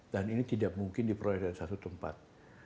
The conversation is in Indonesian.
dan ini tidak mungkin diperoleh dari satu tempat